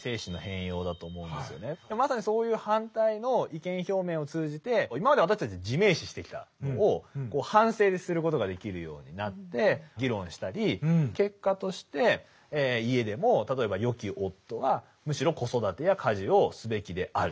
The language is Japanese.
まさにそういう反対の意見表明を通じて今まで私たち自明視してきたのを反省することができるようになって議論したり結果として家でも例えばよき夫はむしろ子育てや家事をすべきであると。